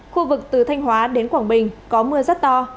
khu vực từ thanh hóa đến quảng bình có mưa rất to